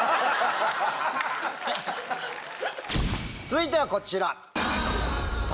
続いてはこちら。